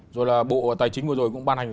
rồi là bộ tài chính vừa rồi cũng ban hành